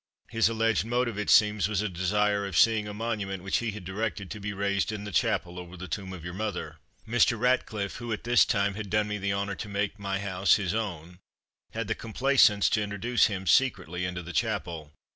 His alleged motive, it seems, was a desire of seeing a monument which he had directed to be raised in the chapel over the tomb of your mother. Mr. Ratcliffe, who at this time had done me the honour to make my house his own, had the complaisance to introduce him secretly into the chapel.